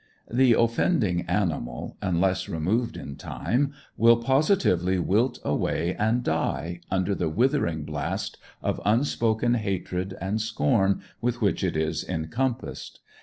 The offending animal, unless removed in time, will positively wilt away and die under the withering blast of unspoken hatred and scorn with which it is encompassed.